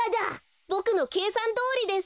ボクのけいさんどおりです。